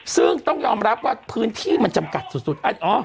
ซึ่งต้องยอมรับว่าพื้นที่มันจำกัดสุด